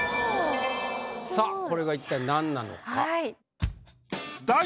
さあこれが一体なんなのか？